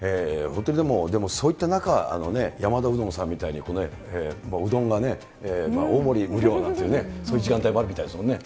本当にでも、そういった中、山田うどんさんみたいにこうね、うどんがね、大盛り無料なんていうね、そういう時間帯もあるみたいですもんね。